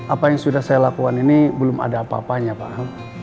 apa yang sudah saya lakukan ini belum ada apa apanya pak